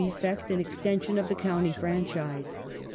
^ gffg^t an extension of the county franchise.